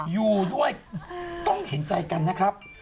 อยู่ด้วยต้องเห็นใจกันนะครับ